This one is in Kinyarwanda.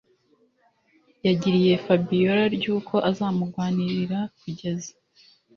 yagiriye fabiora ryuko azamugwanirira kugeza